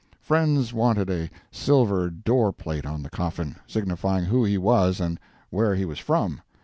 Friends wanted a silver door plate on the coffin, signifying who he was and where he was from.